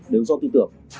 đều do tư tưởng